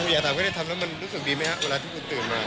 อยากถามก็เลยทำว่ามันรู้สึกดีมั้ยฮะเวลาที่ผมตื่นมา